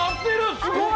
すごい。